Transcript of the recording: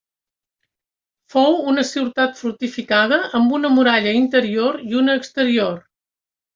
Fou una ciutat fortificada amb una muralla interior i una exterior.